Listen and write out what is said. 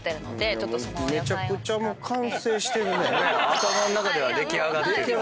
頭の中では出来上がってるよね。